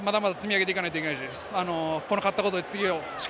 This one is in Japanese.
ここからまだまだ積み上げていかないといけないです。